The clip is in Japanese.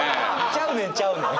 ちゃうねんちゃうねん！